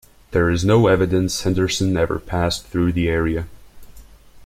There is no evidence Henderson ever passed through the area.